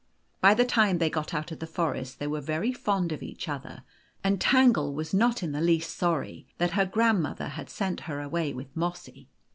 By the time they got out of the forest they were very fond of each other, and Tangle was not in the least sorry that her grandmother had sent her away with Mossy.